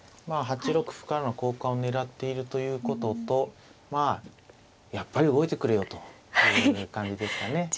８六歩からの交換を狙っているということとやっぱり動いてくれよという感じですかね。